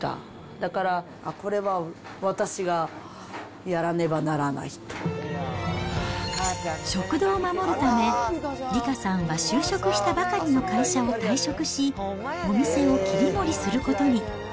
だから、これは、食堂を守るため、理佳さんは就職したばかりの会社を退職し、お店を切り盛りすることに。